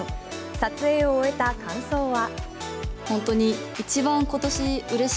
撮影を終えた感想は。